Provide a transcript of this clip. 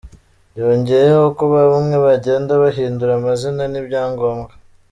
Yongeyeho ko bamwe bagenda bahindura amazina n’ibyangombwa .